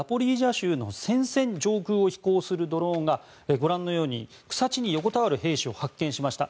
州の戦線上空を飛行するドローンがご覧のように草地に横たわる兵士を発見しました。